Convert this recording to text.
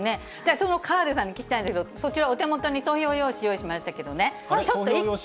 その河出さんに聞きたいんですけど、そちら、お手元に投票用紙、用意しましたけどね。